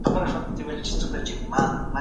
ته همدا اوس خپلو مشرانو ته خدمت کوې.